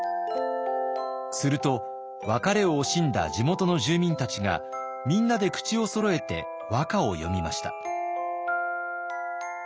すると別れを惜しんだ地元の住民たちがみんなで口をそろえて和歌を詠みました。